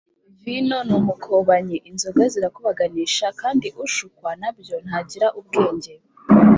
“Vino ni umukobanyi, Inzoga zirakubaganisha: Kandi ushukwa na byo ntagira ubwenge